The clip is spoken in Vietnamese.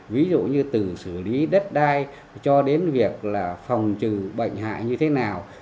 ví dụ như từ xử lý đất đai cho đến việc là phòng trừ bệnh hại như thế nào